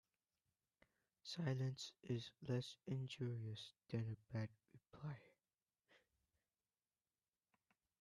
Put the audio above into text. Silence is less injurious than a bad reply.